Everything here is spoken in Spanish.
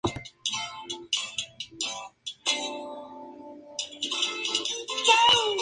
Los oficiales al mando eran mayoritariamente extranjeros.